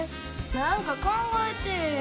何か考えてえや。